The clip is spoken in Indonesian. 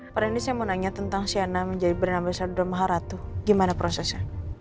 pak rendy saya mau nanya tentang siana menjadi bernama sadudar maharatu gimana prosesnya